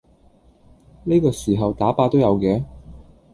呢個時候打靶都有嘅？